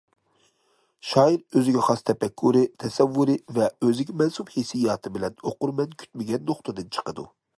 شائىر ئۆزىگە خاس تەپەككۇرى، تەسەۋۋۇرى ۋە ئۆزىگە مەنسۇپ ھېسسىياتى بىلەن ئوقۇرمەن كۈتمىگەن نۇقتىدىن چىقىدۇ.